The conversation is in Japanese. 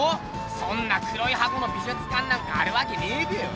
そんな黒い箱の美術館なんかあるわけねえべよ。